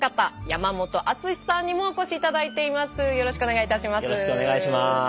よろしくお願いします。